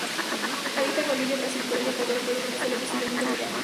Habita en Bolivia, Brasil, Colombia, Ecuador, Perú, Venezuela y posiblemente en Guayana.